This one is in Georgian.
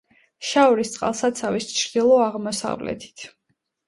შაორის წყალსაცავის ჩრდილო-აღმოსავლეთით.